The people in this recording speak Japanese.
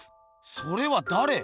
それはだれ？